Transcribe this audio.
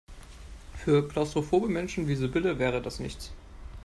Für klaustrophobe Menschen wie Sibylle wäre das nichts.